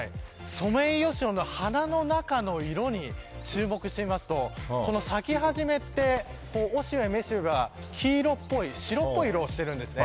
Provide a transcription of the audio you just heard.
ソメイヨシノの花の中の色に注目してみると咲き始めは、おしべ、めしべが黄色っぽい、白っぽい色をしているんです。